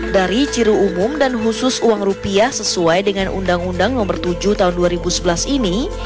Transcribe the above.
dari ciru umum dan khusus uang rupiah sesuai dengan undang undang nomor tujuh tahun dua ribu sebelas ini